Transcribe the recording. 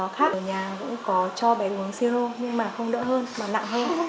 ở nhà cũng có cho bệnh uống siêu hô nhưng mà không đỡ hơn mà nặng hơn